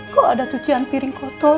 kok ada cucian piring kotor